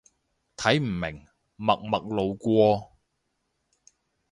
睇唔明，默默路過